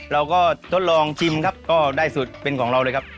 เราก็ทดลองชิมครับก็ได้สูตรเป็นของเราเลยครับ